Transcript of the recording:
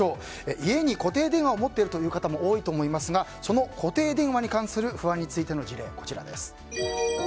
家に固定電話を持っているという方も多いと思いますがその固定電話に関する不安についての事例、こちらです。